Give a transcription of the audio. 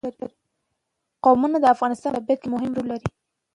قومونه د افغانستان په طبیعت کې مهم رول لري.